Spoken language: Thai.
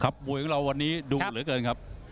มวยของเราวันนี้ดูเหลือเกินครับ